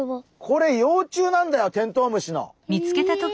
これ幼虫なんだよテントウムシの。え！